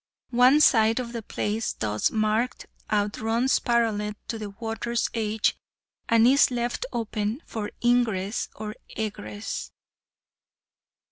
One side of the place thus marked out runs parallel with the water's edge, and is left open for ingress or egress.